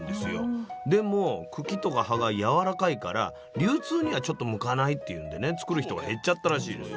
でも茎とか葉がやわらかいから流通にはちょっと向かないっていうんでね作る人が減っちゃったらしいです。